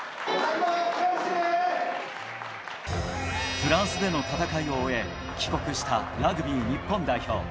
フランスでの戦いを終え、帰国したラグビー日本代表。